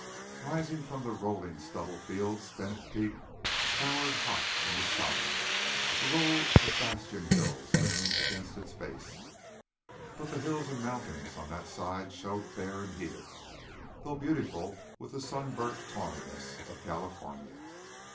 Rising from rolling stubble fields, Bennett Peak towered hot in the sun, a row of bastion hills leaning against its base. But hills and mountains on that side showed bare and heated, though beautiful with the sunburnt tawniness of California.